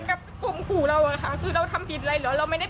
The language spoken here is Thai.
แค่โพสต์หาคนมามาช่วยเก็บหมาแค่นั้น